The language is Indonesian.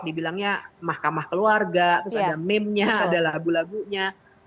dibilangnya mahkamah keluarga terus ada meme nya ada lagu lagunya